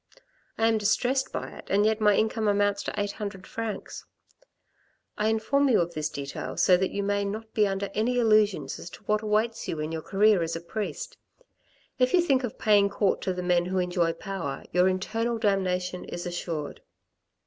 I am distressed by it, and yet my income amounts to eight hundred francs. I inform you of this detail so that you may not be under any illusions as to what awaits you in your career as a priest. If you think of paying court to the men who enjoy power, your eternal damnation is assured.